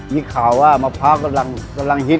มีข่าวว่ามะพร้าวกำลังฮิต